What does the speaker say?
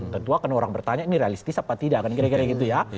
tentu akan orang bertanya ini realistis apa tidak kan kira kira gitu ya